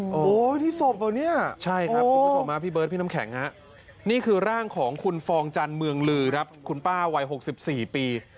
โอ้โหนี่ศพเหรอเนี่ยใช่ครับคุณผู้ชมพี่เบิร์ดพี่น้ำแข็งฮะนี่คือร่างของคุณฟองจันทร์เมืองลือครับคุณป้าวัย๖๔ปี